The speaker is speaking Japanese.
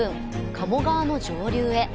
鴨川の上流へ。